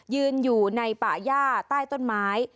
ยืนอยู่ในป่าย่าใต้ต้นไม้